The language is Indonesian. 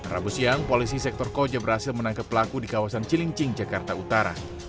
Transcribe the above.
rabu siang polisi sektor koja berhasil menangkap pelaku di kawasan cilincing jakarta utara